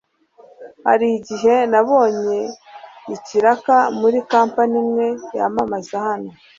Hari n'igihe nabonye ikiraka muri campany imwe yamamaza hano